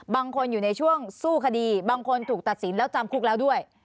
บางคนอยู่ในช่วงสู้คดีบางคนถูกตัดสินแล้วจำคุกแล้วด้วย